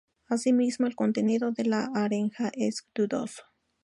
Asimismo el contenido de la arenga es dudoso.